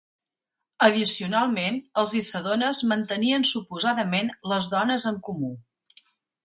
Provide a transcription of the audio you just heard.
Addicionalment, els Issedones mantenien suposadament les dones en comú.